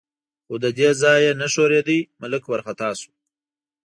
خو له دې ځایه نه ښورېده، ملک وارخطا شو.